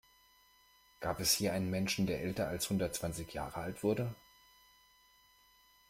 Gab es je einen Menschen, der älter als hundertzwanzig Jahre alt wurde?